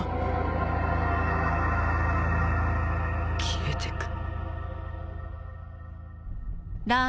消えてく。